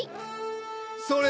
それ！